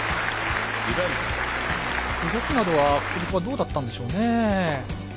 動きなどはどうだったんでしょうね。